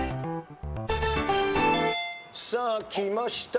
さあきました。